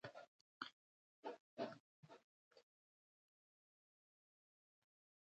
یورانیم د افغانستان د اقتصادي منابعو ارزښت زیاتوي.